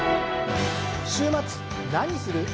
週末何する？